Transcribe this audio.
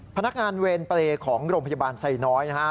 พนักงานเวรเปรย์ของโรงพยาบาลไซน้อยนะฮะ